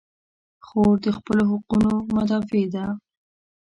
خور د خپلو حقونو مدافع ده.